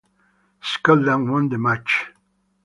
Scotland won the match.